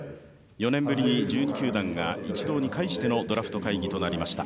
４年ぶりに１２球団が一堂に会してのドラフト会議となりました。